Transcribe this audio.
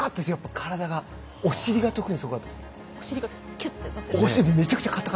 体がお尻が特にすごかったです。